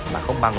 mà không bằng mặt